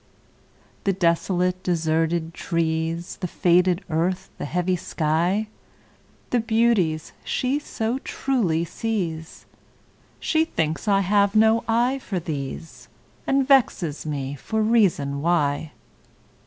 The desolate, deserted trees, The faded earth, the heavy sky, The beauties she so truly sees, She thinks I have no eye for these, And vexes me for reason why.